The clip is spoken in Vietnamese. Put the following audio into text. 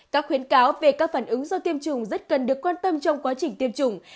các khuyến cáo về các phản ứng do tiêm chủng rất cần được quan tâm trong quá trình tiêm chủng